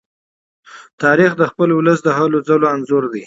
تاریخ د خپل ولس د هلو ځلو انځور دی.